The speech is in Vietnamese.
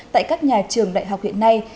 tại các nhà trường đại học hiện nay